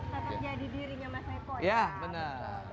jadi dirinya mas eko ya ya bener